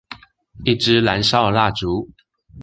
一支燃燒的蠟燭